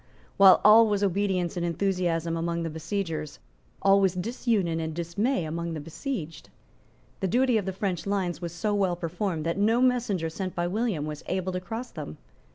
While all was obedience and enthusiasm among the besiegers, all was disunion and dismay among the besieged. The duty of the French lines was so well performed that no messenger sent by William was able to cross them.